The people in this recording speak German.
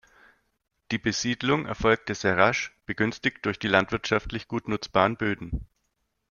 Die Besiedlung erfolgte sehr rasch, begünstigt durch die landwirtschaftlich gut nutzbaren Böden.